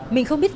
mình không biết